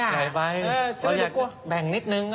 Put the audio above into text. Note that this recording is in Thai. ใหญ่ไปเราอยากแบ่งนิดนึง